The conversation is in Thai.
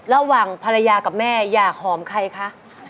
ระหว่างภรรยากับแม่อยากหอมใครคะ